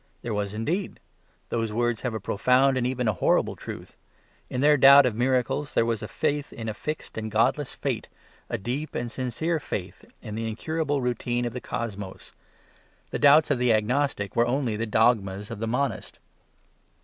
There was indeed. Those words have a profound and even a horrible truth. In their doubt of miracles there was a faith in a fixed and godless fate; a deep and sincere faith in the incurable routine of the cosmos. The doubts of the agnostic were only the dogmas of the monist.